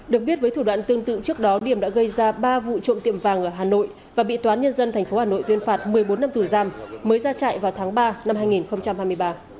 được biết với thủ đoạn tương tự trước đó điểm đã gây ra ba vụ trộm tiệm vàng ở hà nội và bị toán nhân dân tp hà nội tuyên phạt một mươi bốn năm tù giam mới ra chạy vào tháng ba năm hai nghìn hai mươi ba